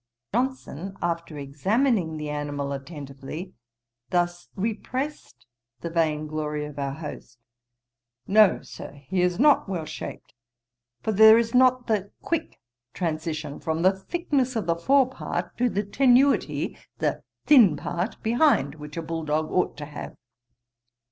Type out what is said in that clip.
Johnson, after examining the animal attentively, thus repressed the vain glory of our host: 'No, Sir, he is not well shaped; for there is not the quick transition from the thickness of the fore part, to the tenuity the thin part behind, which a bull dog ought to have.'